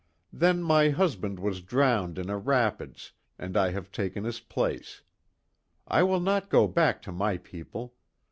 Then my husband was drowned in a rapids, and I have taken his place. I will not go back to my people.